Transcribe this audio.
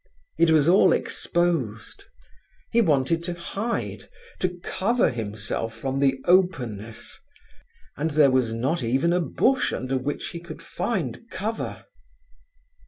It was all exposed. He wanted to hide, to cover himself from the openness, and there was not even a bush under which he could find cover.